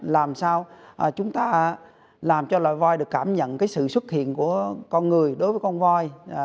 làm sao chúng ta làm cho loài voi được cảm nhận cái sự xuất hiện của con người đối với con voi